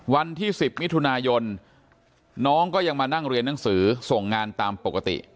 วันที่๑๐มิถุนายนน้องก็ยังมานั่งเรียนหนังสือส่งงานตามปกติ